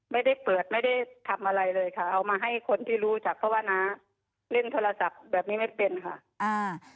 ไม่ได้เปิดไม่ได้ทำอะไรเลยค่ะเอามาให้คนที่รู้จักเพราะว่าน้าเล่นโทรศัพท์แบบนี้ไม่เป็นค่ะอ่า